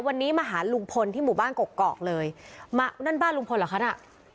วันนี้มาหาลุงพลที่หมู่บ้านกกอกเลยมานั่นบ้านลุงพลเหรอคะน่ะ